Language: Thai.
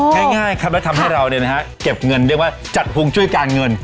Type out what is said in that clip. แค่ง่ายครับแล้วทำให้เราเนี่ยนะครับเก็บเงินเรียกว่าจัดภูมิช่วยการเงิน